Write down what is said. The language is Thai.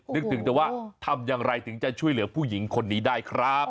นึกถึงแต่ว่าทำอย่างไรถึงจะช่วยเหลือผู้หญิงคนนี้ได้ครับ